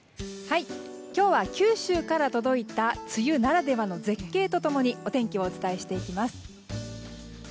今日は九州から届いた梅雨ならではの絶景と共にお天気をお伝えしていきます。